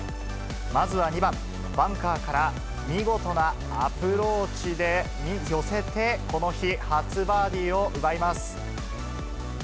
まずは２番、バンカーから見事なアプローチで寄せて、この日、初バーディーを奪います。